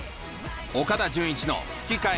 岡田准一の吹き替え